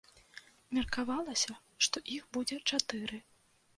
Меркавалася, што іх будзе чатыры.